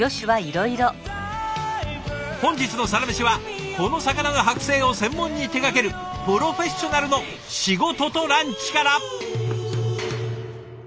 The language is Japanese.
本日の「サラメシ」はこの魚の剥製を専門に手がけるプロフェッショナルの仕事とランチから。